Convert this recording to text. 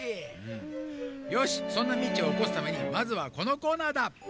よしそんなミチをおこすためにまずはこのコーナーだ！